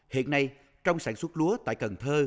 hiện nay trong sản xuất lúa tại cần thơ